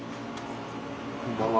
こんばんは。